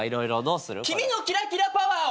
君のキラキラパワーを。